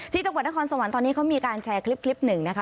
ที่จังหวัดนครสวรรค์ตอนนี้เขามีการแชร์คลิปหนึ่งนะคะ